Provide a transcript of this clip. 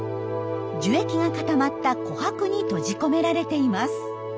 樹液が固まった琥珀に閉じ込められています。